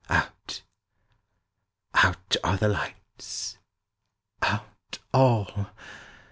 Out out are the lights out all!